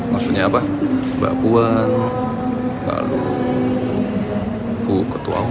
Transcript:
maksudnya apa mbak puan lalu bu ketua umum